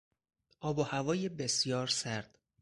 آب و هوای بسیار سرد